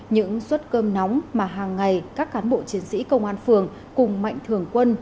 những suất cơm nóng mà hàng ngày các cán bộ chiến sĩ công an phường cùng mạnh thường quân